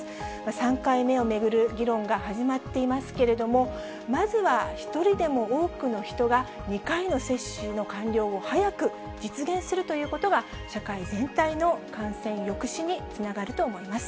３回目を巡る議論が始まっていますけれども、まずは１人でも多くの人が２回の接種の完了を早く実現するということが、社会全体の感染抑止につながると思います。